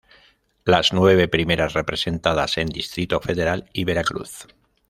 Las nueve primeras representadas en Distrito Federal y Veracruz.